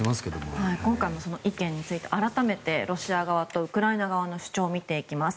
今回、その意見について改めてロシア側とウクライナ側の主張を見ていきます。